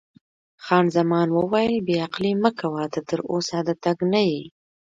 خان زمان وویل: بې عقلي مه کوه، ته تراوسه د تګ نه یې.